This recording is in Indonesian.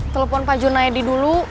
telepon pak junaid dulu